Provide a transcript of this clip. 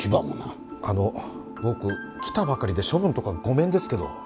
あの僕来たばかりで処分とかごめんですけど。